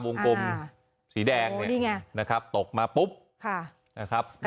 วงกลมสีแดงเนี่ยโอ้นี่ไงนะครับตกมาปุ๊บค่ะนะครับกระ